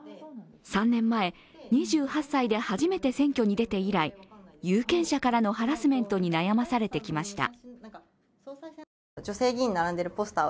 ３年前、２８歳で初めて選挙に出て以来、有権者からのハラスメントに悩まされてきました。